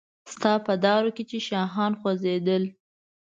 ستا په دارو کې چې شاهان خوځیدل